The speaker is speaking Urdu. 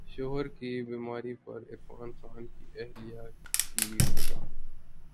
شوہر کی بیماری پر عرفان خان کی اہلیہ کی وضاحت